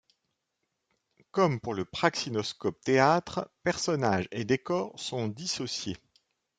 Comme pour le praxinoscope-théâtre, personnages et décors sont dissociés.